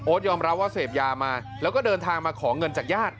ยอมรับว่าเสพยามาแล้วก็เดินทางมาขอเงินจากญาติ